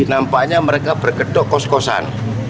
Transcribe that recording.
nampaknya mereka berkedok kos kosan